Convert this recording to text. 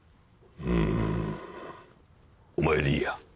んーお前でいいや。